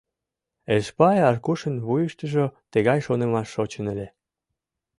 Эшпай Аркушын вуйыштыжо тыгай шонымаш шочын ыле.